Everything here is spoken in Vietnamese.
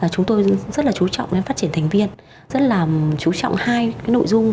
chúng tôi rất là chú trọng đến phát triển thành viên rất là chú trọng hai cái nội dung